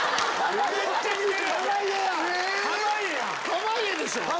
濱家でしょ！